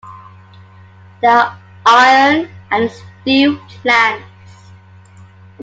There are iron and steel plants.